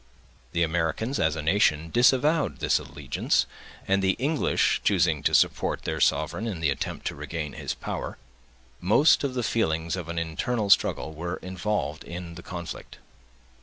The Americans, as a nation, disavowed this allegiance, and the English choosing to support their sovereign in the attempt to regain his power, most of the feelings of an internal struggle were involved in the conflict.